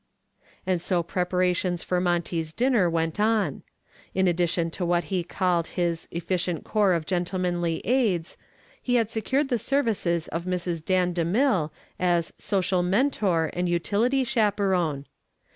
And so preparations for Monty's dinner went on. In addition to what he called his "efficient corps of gentlemanly aids" he had secured the services of Mrs. Dan DeMille as "social mentor and utility chaperon."